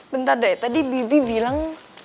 bentar deh tadi bibi bilang